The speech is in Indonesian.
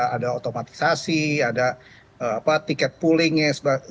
ada otomatisasi ada tiket poolingnya